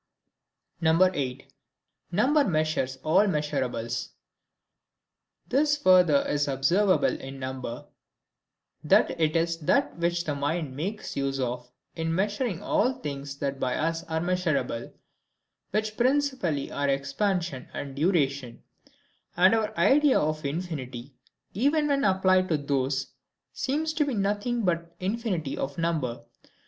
8. Number measures all Measurables. This further is observable in number, that it is that which the mind makes use of in measuring all things that by us are measurable, which principally are EXPANSION and DURATION; and our idea of infinity, even when applied to those, seems to be nothing but the infinity of number.